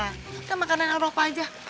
jangan makanan eropa aja